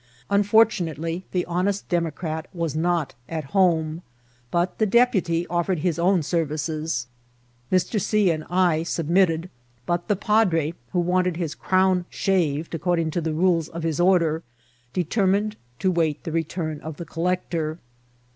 Unfortunately, the honest Democrat was not at home ; but the deputy offered his own services. Mr. C. and I submitted ; but the padre, who wanted his crown shaved, according to the rules of his order, determined to wait the return of the collector.